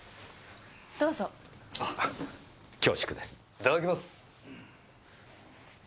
いただきます。